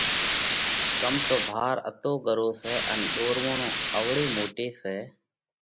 ڪم تو ڀار اتو ڳرو سئہ ان ۮورووڻ اوَڙئِي موٽئي سئہ